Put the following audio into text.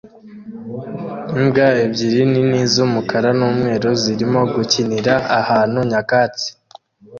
Imbwa ebyiri nini z'umukara n'umweru zirimo gukinira ahantu nyakatsi